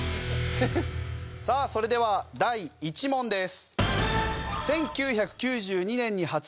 さあそれでは第１問です。